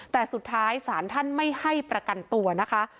แต่สุดท้ายศาลท่านไม่ให้ประกันตัวนะคะ